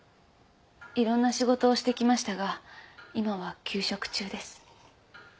いろんな仕事をしてきましたが今は休職中です。